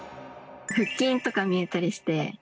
腹筋とか見えたりして。